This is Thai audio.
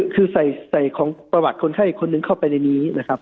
คือใส่ของประวัติคนไข้อีกคนนึงเข้าไปในนี้นะครับ